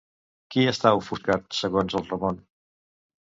Qui està ofuscat, segons el Ramon?